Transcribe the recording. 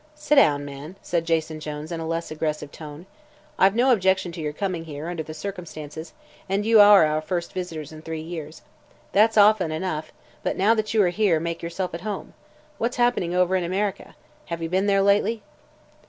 "Sit down, man," said Jason Jones in a less aggressive tone. "I've no objection to your coming here, under the circumstances, and you are our first visitors in three years. That's often enough, but now that you are here, make yourself at home. What's happening over in America? Have you been there lately?"